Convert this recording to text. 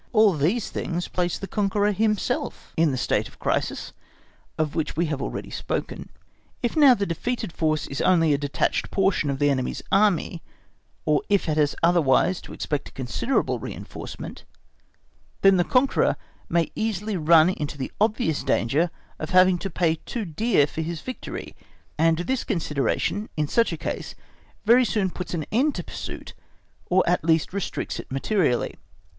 All these things place the conqueror himself in the state of crisis of which we have already spoken. If now the defeated force is only a detached portion of the enemy's Army, or if it has otherwise to expect a considerable reinforcement, then the conqueror may easily run into the obvious danger of having to pay dear for his victory, and this consideration, in such a case, very soon puts an end to pursuit, or at least restricts it materially.